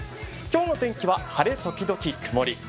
今日の天気は晴れ時々曇り。